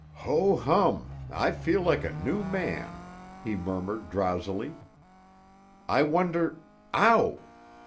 "Ho, hum! I feel like a new man," he murmured drowsily. "I wonder—ow!"